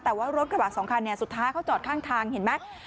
แต่ว่ารถกระบะสองคันสุดท้ายเขาจอดข้างทางเห็นไหม